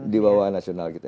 di bawah nasional kita